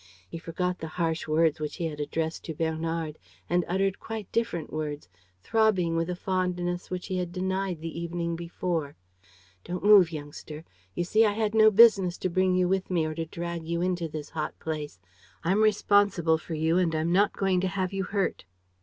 He forgot the harsh words which he had addressed to Bernard and uttered quite different words, throbbing with a fondness which he had denied the evening before: "Don't move, youngster. You see, I had no business to bring you with me or to drag you into this hot place. I'm responsible for you and I'm not going to have you hurt."